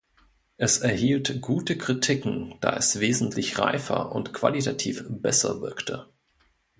Es erhielt gute Kritiken, da es wesentlich reifer und qualitativ besser wirkte.